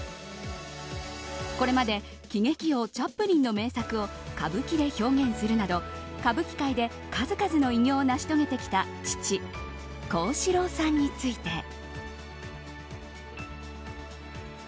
これまで喜劇王チャップリンの名作を歌舞伎で表現するなど歌舞伎界で数々の偉業を成し遂げてきた父・幸四郎さんについて。